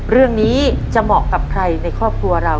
เรื่องนี้จะเหมาะกับใครในครอบครัวเรา